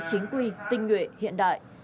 chính quy tinh nguyện hiện đại